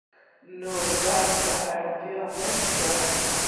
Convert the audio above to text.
نور بحث ته اړتیا نشته.